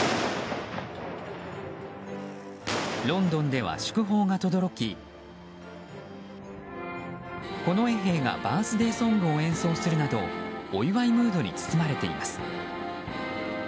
ロンドンでは祝砲がとどろき近衛兵がバースデーソングを演奏するなどお祝いムードに包まれています。